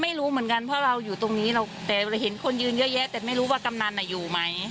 ไม่รู้เหมือนกันเพราะเราอยู่ตรงนี้แต่เห็นคนยืนเยอะแยะแต่ไม่รู้ว่ากำนันอยู่ไหม